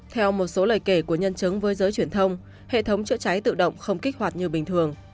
theo một số lời kể của nhân chứng với giới truyền thông hệ thống chữa cháy tự động không kích hoạt như bình thường